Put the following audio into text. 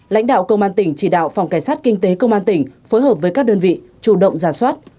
lãnh đạo công an tỉnh chỉ đạo phòng cảnh sát kinh tế công an tỉnh phối hợp với các đơn vị chủ động giả soát